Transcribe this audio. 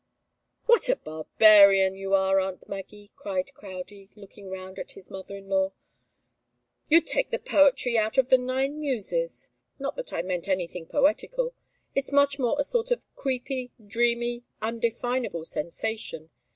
"What a barbarian you are, aunt Maggie!" cried Crowdie, looking round at his mother in law. "You'd take the poetry out of the Nine Muses. Not that I meant anything poetical. It's much more a sort of creepy, dreamy, undefinable sensation.